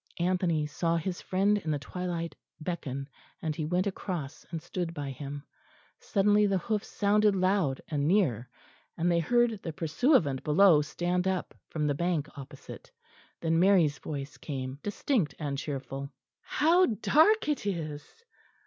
Anthony saw his friend in the twilight beckon, and he went across and stood by him. Suddenly the hoofs sounded loud and near; and they heard the pursuivant below stand up from the bank opposite. Then Mary's voice came distinct and cheerful. "How dark it is!"